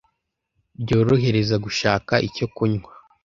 ryorohereza gushaka icyo kunywa.